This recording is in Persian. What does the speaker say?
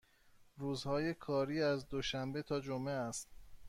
روزهای کاری از دوشنبه تا جمعه است.